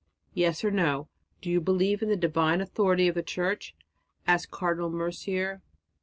"Yes or no, do you believe in the divine authority of the Church?" asked Cardinal Mercier.